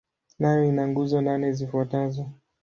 Nayo ina nguzo nane zifuatazo.